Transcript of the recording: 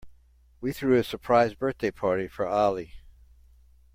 We threw a surprise birthday party for Ali.